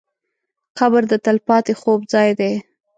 قبر د تل پاتې خوب ځای دی.